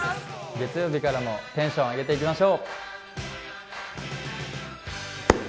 月曜日からもテンション上げていきましょう！